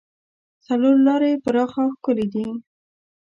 څلور لارې یې پراخه او ښکلې دي.